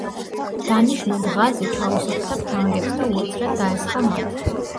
დანიშმენდ ღაზი ჩაუსაფრდა ფრანგებს და უეცრად დაესხა მათ.